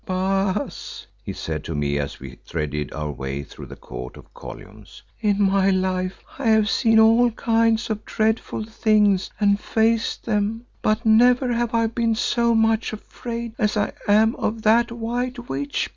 "Baas," he said to me as we threaded our way through the court of columns, "in my life I have seen all kinds of dreadful things and faced them, but never have I been so much afraid as I am of that white witch.